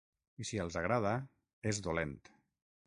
I si els agrada, és dolent.